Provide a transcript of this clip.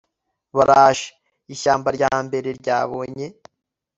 Baraje ishyamba rya mbere ryabonye